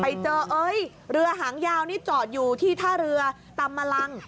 ไปเจอเอ้ยเรือหางยาวนี่จอดอยู่ที่ท่าเรือตำมะลัง